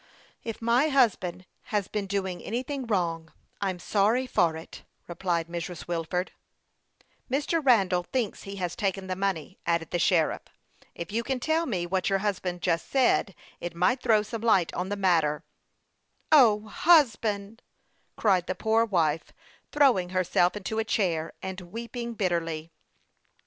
" If my husband has been doing anything wrong, I'm sorry for it," replied Mrs. Wilford, unwilling to expose the culprit, guilty as she felt that he was. " Mr. Randall thinks he has taken his money," added the sheriff. " If you can tell me what your husband just said, it might throw some light on the matter." " O, husband !" cried the poor wife, throwing her self into a chair and weeping bitterly.